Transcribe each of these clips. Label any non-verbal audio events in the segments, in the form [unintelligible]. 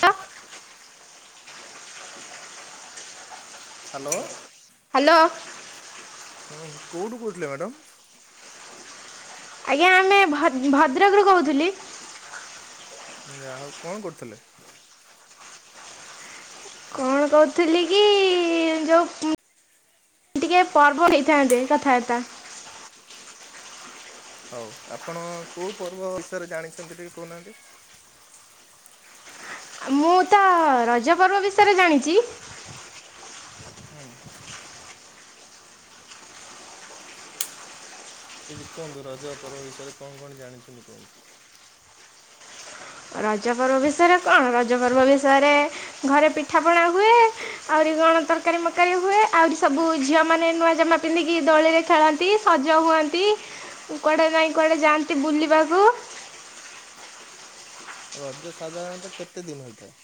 ତ [unintelligible] hello hello ହୁଁ କୋଉଠୁ କହୁଥିଲେ ମ୍ୟାଡ଼ାମ? ଆଜ୍ଞା ଆମେ ଭଦ୍ରକରୁ କହୁଥିଲି। ଯାହାହଉ କଣ କରୁଥିଲେ? କଣ କହୁଥିଲି କି ଯୋଉ ଟିକେ ପର୍ବ ନେଇଥାନ୍ତେ କଥାବାର୍ତ୍ତା। ହଉ ଆପଣ କେଉଁ ପର୍ବ ବିଷୟରେ ଜାଣିଛନ୍ତି ଟିକେ କହୁନାହାନ୍ତି? ମୁଁ ତ ରଜ ପର୍ବ ବିଷୟରେ ଜାଣିଛି। ହୁଁ। ଏ କୁହନ୍ତୁ ରଜ ପର୍ବ ବିଷୟରେ କଣ କଣ ଜାଣିଛନ୍ତି କୁହନ୍ତୁ? ରଜ ପର୍ବ ବିଷୟରେ କଣ? ରଜ ପର୍ବ ବିଷୟରେ ଘରେ ପିଠା ପଣା ହୁଏ। ଆହୁରି କଣ ତରକାରୀ ମରକାରୀ ହୁଏ, ଆହୁରି ସବୁ ଝିଅ ମାନ ନୂଆ ଜାମା ପିନ୍ଧିକି ଦୋଳିରେ ଖେଳନ୍ତି। ତି ସଜ ହୁଅନ୍ତି କୁଆଡ଼େ ନାଇଁ କୁଆଡ଼େ ଯାଆନ୍ତି ବୁଲିବାକୁ। ରଜ ସାଧାରଣତଃ କେତେ ଦିନ ହୋଇଥାଏ?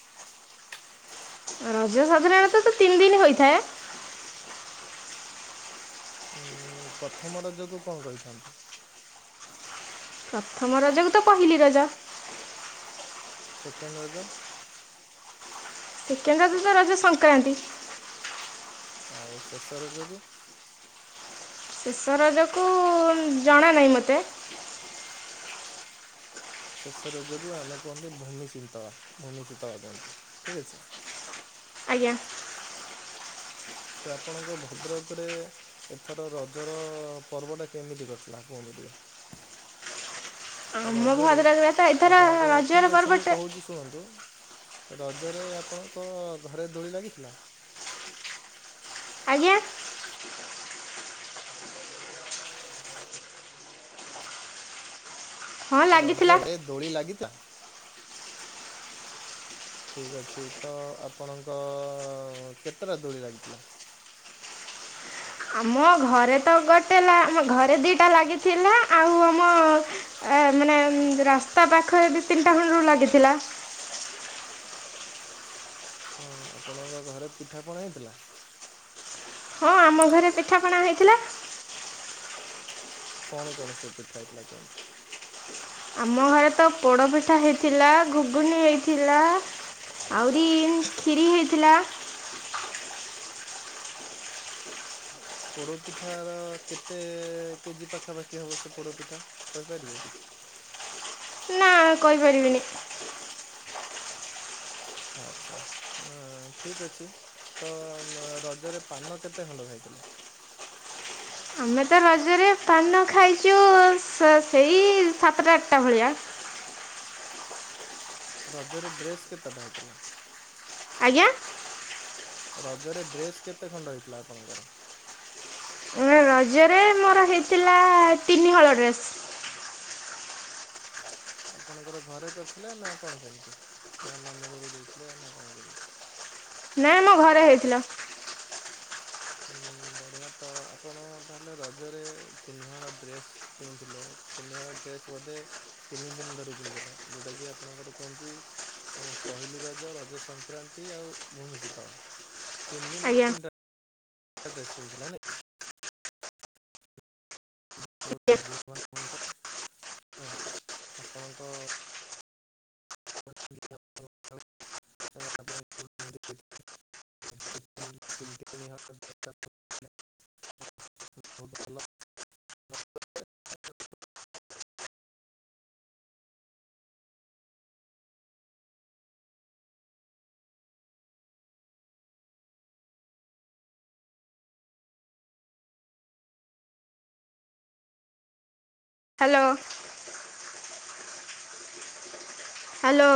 ରଜ ସାଧାରଣତ ତ ତିନି ଦିନ ହୋଇଥାଏ। ଉଁ ପ୍ରଥମ ରଜକୁ କଣ କହିଥାନ୍ତି? ପ୍ରଥମ ରଜକୁ ତ ପହିଲି ରଜ। ସେକେଣ୍ଡ ରଜ? ସେକେଣ୍ଡ ରଜ ତ ରଜସଂକ୍ରାନ୍ତି। ଆଉ ଶେଷ ରଜ କୁ? ଶେଷ ରଜକୁ ଜଣା ନାହିଁ ମୋତେ। ଶେଷ ରଜକୁ ଆମେ କୁହନ୍ତି ଭୂମି ଶୀତଳା ଭୂମି ଶୀତଳା କୁହନ୍ତି ଠିକ୍ ଅଛି। ଆଜ୍ଞା। ତ ଆପଣଙ୍କ ଭଦ୍ରକ ରେ - ଏଥର ରଜର ପର୍ବଟା କେମିତି କଟିଲା କୁହନ୍ତୁ ଟିକେ? ଆମ ରଜରେ ଭଦ୍ରକରେ ତ ଏଥର ଆପଣଙ୍କ ରଜର ଠିକ୍ ଅଛି ମୁଁ ପର୍ବଟା କହୁଛି। ଶୁଣନ୍ତୁ, ରଜରେ ଆପଣଙ୍କ ଘରେ ଦୋଳି ଲାଗିଥିଲା? ଆଜ୍ଞା ହଁ ଲାଗିଥିଲା ରଜରେ ଦୋଳି ଲାଗିଥିଲା? ଠିକ୍ ଅଛି ତ ଆପଣଙ୍କ କେତେଟା ଦୋଳି ଲାଗିଥିଲା? ଆମ ଘରେ ତ ଗୋଟେ ଲା ଆମ ଘରେ ଦିଟା ଲାଗିଥିଲା ଆଉ ଆମ ଏ ମାନେ ରାସ୍ତା ପାଖରେ ଦି ତିନିଟା ଖୁଣ୍ଡରୁ ଲାଗିଥିଲା। ହଁ ଆପଣଙ୍କ ଘରେ ପିଠାପଣା ହେଇଥିଲା? ହଁ ଆମ ଘରେ ପିଠାପଣା ହେଇଥିଲା। କଣ କଣ ସବୁ ପିଠା ହେଇଥିଲା କୁହନ୍ତୁ? ଆମ ଘରେ ତ ପୋଡ଼ପିଠା ହେଇଥିଲା, ଘୁଗୁନି ହେଇଥିଲା। ଆହୁରି କ୍ଷିରି ହେଇଥିଲା। ପୋଡ଼ପିଠାର କେତେ କେଜି ପାଖାପାଖି ହେବ ସେ ପୋଡ଼ପିଠା? କହିପାରିବେ କିଛି? ନା କହି ପାରିବିନି ଆଛା ହ ଠିକ ଅଛି। ତ ରଜରେ ପାନ କେତେ ଖଣ୍ଡ ଖାଇଥିଲେ? ଆମେ ତ ରଜରେ ପାନ ଖାଇଛୁ ସ ସେଇ ସାତଟା ଆଠଟା ଭଳିଆ। ରଜରେ ଡ୍ରେସ୍ କେତେଟା ହେଇଥିଲା? ଆଜ୍ଞା ରଜରେ ଡ୍ରେସ କେତେ ଖଣ୍ଡ ହେଇଥିଲା ଆପଣଙ୍କର? ରଜରେ ମୋର ହେଇଥିଲା ତିନିହଳ ଡ୍ରେସ୍। ଆପଣଙ୍କର ଘରେ କରିଥିଲେ ନା କଣ କେମିତି ନା ମାମୁଁ ଘରୁ ଦେଇଥିଲେ ନା କଣ କେମିତି? ନାଇଁ ମୋ ଘରେ ହେଇଥିଲା। ଉ ବଢ଼ିଆ ତ ଆପଣ ତାହେଲେ ରଜରେ ତିନିହଳ ଡ୍ରେସ୍ କିଣିଥିଲେ? ତିନିହଳ ଡ୍ରେସ୍ ବୋଧେ ତିନି ଦିନ ଧରି ପିନ୍ଧିଲେ ଯୋଉଟାକି ଆପଣଙ୍କର କୁହନ୍ତି। ଏ ପହିଲି ରଜ, ରଜ ସଂକ୍ରାନ୍ତି, ଆଉ ଭୂମି ଶୀତଳ ତିନି ଦିନରୁ ଆଜ୍ଞା ତିନିଟା ତ ଡ୍ରେସ କିଣିଥିଲେ ନାଇଁ ବହୁତୁ ହ୍ୟାଲୋ ଭାଗ୍ୟବାନ ମଣିଷ ନା ଆପଣଙ୍କ [unintelligible] ତିତିନ ହଲ [inaudible] ବହୁତ ଭଲ ହ୍ୟାଲୋ ହ୍ୟାଲୋ